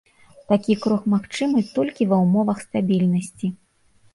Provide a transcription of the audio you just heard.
Такі крок магчымы толькі ва ўмовах стабільнасці.